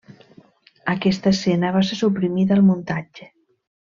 Aquesta escena va ser suprimida al muntatge.